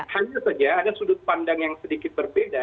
hanya saja ada sudut pandang yang sedikit berbeda